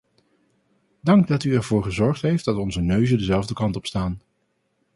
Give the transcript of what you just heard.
Dank dat u ervoor gezorgd heeft dat onze neuzen dezelfde kant op staan.